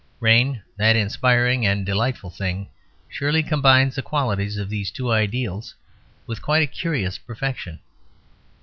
Rain, that inspiring and delightful thing, surely combines the qualities of these two ideals with quite a curious perfection.